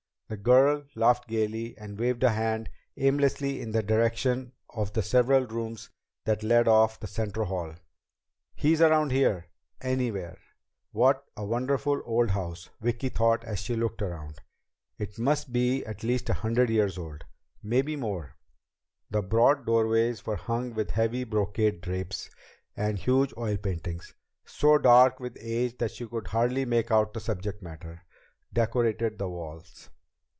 The girl laughed gaily, and waved a hand aimlessly in the direction of the several rooms that led off the center hall. "He's around somewhere. Anywhere." "What a wonderful old house," Vicki thought as she looked around. "It must be at least a hundred years old. Maybe more." The broad doorways were hung with heavy brocade drapes, and huge oil paintings, so dark with age that she could hardly make out the subject matter, decorated the walls.